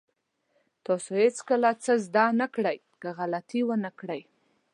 تاسو هېڅکله څه زده نه کړئ که غلطي ونه کړئ.